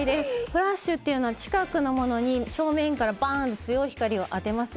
フラッシュというのは近くのものに正面からバーンと強い光を当てます。